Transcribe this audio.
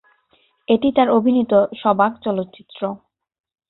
এটি তার অভিনীত সবাক চলচ্চিত্র।